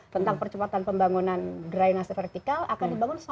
tentang percepatan pembangunan dry nasa vertikal akan dibangun satu delapan